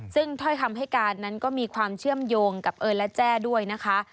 ซึ่งถ้อยคำให้การนั้นก็มีความเชื่อมโยงกับเอิญและแจ้ด้วยนะคะ